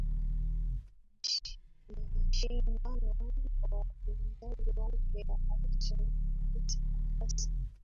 aliishindana na wapinzani wake ansh felix patasse